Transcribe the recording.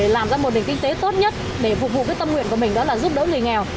làm ra một nền kinh tế tốt nhất để phục vụ tâm nguyện của mình đó là giúp đỡ người nghèo